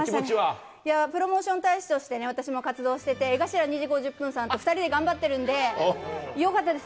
プロモーション大使としてね、私も活動してて、江頭２時５０分さんと２人で頑張ってるんで、よかったです。